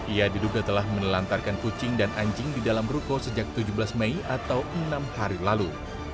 ia diduga telah menelantarkan kucing dan anjing di dalam ruko sejak tujuh belas mei atau enam hari lalu